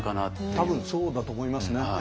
多分そうだと思いますね。